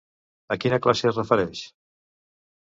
A quina classe es refereix?